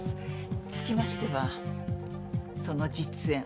つきましてはその実演